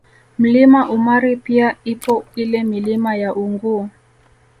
Mlima Umari pia ipo ile Milima ya Unguu